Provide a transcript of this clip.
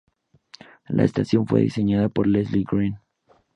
La estación fue diseñada por Leslie Green.